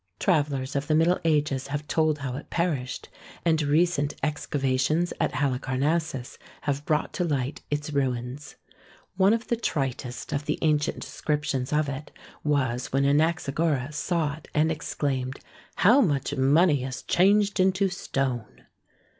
Travellers of the Middle Ages have told how it perished, and recent excavations at Halicarnassus have brought to light its ruins. One of the tritest of the ancient descriptions of it was when Anaxagoras saw it and exclaimed :' How much money is changed into stone."